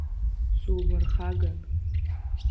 Сумырхаган!